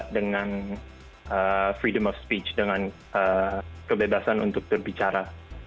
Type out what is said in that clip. dengan kebebasan untuk berbicara